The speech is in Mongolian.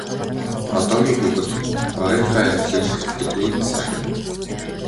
Одоогийн хүүхэд багынхаа явдлыг мартдаггүй нь сайхан юм.